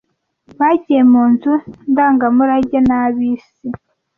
Bagiye mu nzu ndangamurage na bisi?